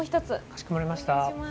かしこまりました。